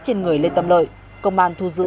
trên người lê tâm lợi công an thu giữ